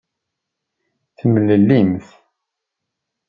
Temlellimt.